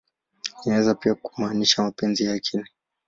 Inaweza pia kumaanisha "mapenzi ya akili.